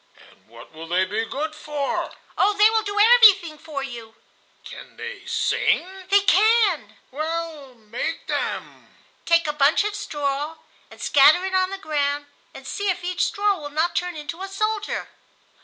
"And what will they be good for?" "Oh, they will do everything for you!" "Can they sing?" "They can." "Well, make them." "Take a bunch of straw and scatter it on the ground, and see if each straw will not turn into a soldier."